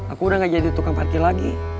aku udah gak jadi tukang parkir lagi